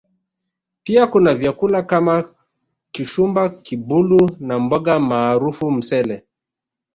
Pia kuna vyakula kama Kishumba Kibulu na mboga maarufu Msele